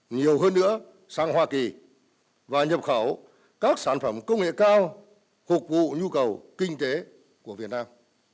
nhiều hơn nữa sang hoa kỳ và nhập khẩu các sản phẩm công nghệ cao phục vụ nhu cầu kinh tế của việt nam